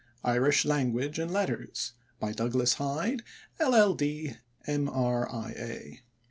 IRISH LANGUAGE AND LETTERS By DOUGLAS HYDE, LL.D., M.R.I.A.